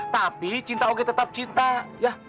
tapi cinta oke tetap cinta ya